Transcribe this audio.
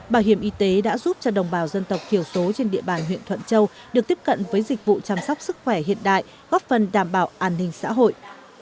bảo hiểm y tế đã giúp cho đồng bào dân tộc thiểu số trên địa bàn huyện thuận châu được tiếp cận với dịch vụ chăm sóc sức khỏe hiện đại góp phần đảm bảo an ninh xã hội